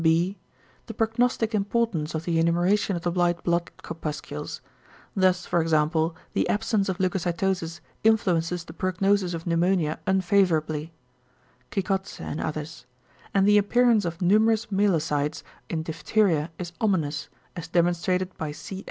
[beta]. The prognostic importance of the enumeration of the white blood corpuscles. Thus for example the absence of leucocytosis influences the prognosis of pneumonia unfavourably (Kikodse and others); and the appearance of numerous myelocytes in diphtheria is ominous, as demonstrated by C.